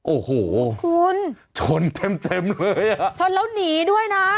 โอ้โหชนเต็มเลยอะคุณชนแล้วหนีด้วยนะ